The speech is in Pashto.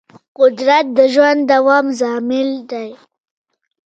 قدرت د ژوند د دوام ضامن دی.